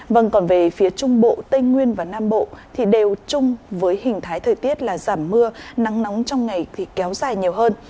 vâng còn về phía trung bộ tây nguyên và nam bộ thì đều chung với hình thái thời tiết là giảm mưa nắng nóng trong ngày thì kéo dài nhiều hơn